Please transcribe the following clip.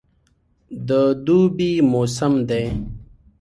د دوبي موسم دی.